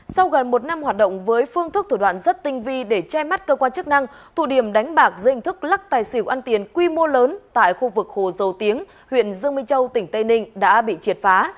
sau gần một năm hoạt động với phương thức thủ đoạn rất tinh vi để che mắt cơ quan chức năng thủ điểm đánh bạc dây hình thức lắc tài xỉu ăn tiền quy mô lớn tại khu vực hồ dầu tiếng huyện dương minh châu tỉnh tây ninh đã bị triệt phá